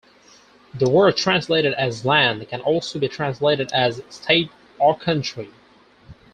The word translated as "land" can also be translated as state or country.